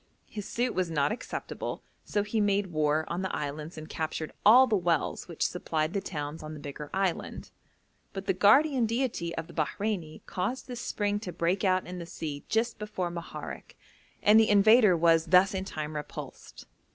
His suit was not acceptable, so he made war on the islands and captured all the wells which supplied the towns on the bigger island; but the guardian deity of the Bahreini caused this spring to break out in the sea just before Moharek, and the invader was thus in time repulsed.